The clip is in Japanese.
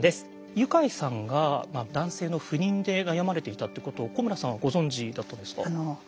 ユカイさんが男性の不妊で悩まれていたってことを古村さんはご存じだったんですか？